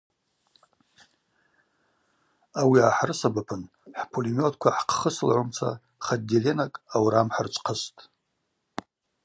Ауи гӏахӏрысабапын хӏпулеметква хӏхъхысылгӏумца хотделенакӏ аурам хӏырчвахъыстӏ.